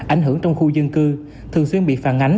ảnh hưởng trong khu dân cư thường xuyên bị phản ánh